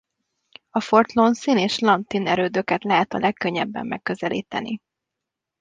A Fort Loncin és Lantin erődöket lehet a legkönnyebben megközelíteni.